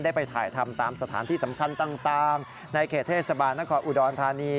ไปถ่ายทำตามสถานที่สำคัญต่างในเขตเทศบาลนครอุดรธานี